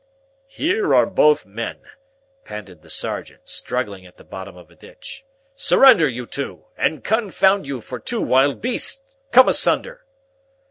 "Here are both men!" panted the sergeant, struggling at the bottom of a ditch. "Surrender, you two! and confound you for two wild beasts! Come asunder!"